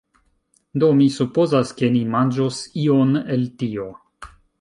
Do, mi supozas, ke ni manĝos ion el tio